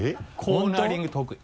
コーナリング得意。